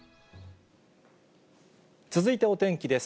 続いてお天気です。